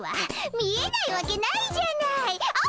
見えないわけないじゃないっ！